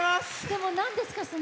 でも、なんですか？